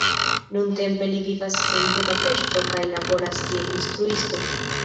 Nuntempe li vivas en Budapeŝto kaj laboras kiel instruisto.